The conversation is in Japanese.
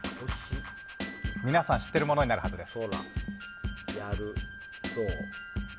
皆さん、知っているものになるはずです。